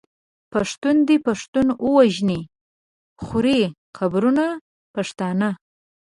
پښتون دی پښتون وژني خوري قبرونه پښتانه